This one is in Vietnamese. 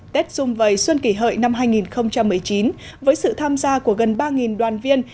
tết dung vầy xuân kỷ hợi năm hai nghìn một mươi chín với sự tham gia của gần ba đoàn viên